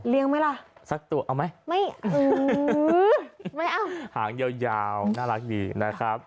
ไหมล่ะสักตัวเอาไหมไม่เอาหางยาวน่ารักดีนะครับ